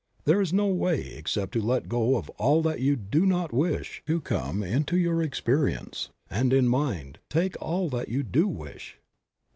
There is no way except to let go of all that you do not wish to come into your experience, and, in mind, take all that you do wish.